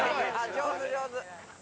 上手上手。